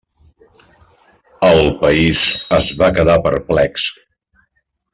El país es va quedar perplex.